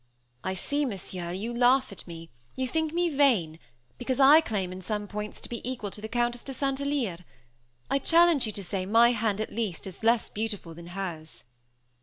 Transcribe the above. "I see, Monsieur, you laugh at me; you think me vain, because I claim in some points to be equal to the Countess de St. Alyre. I challenge you to say, my hand, at least, is less beautiful than hers."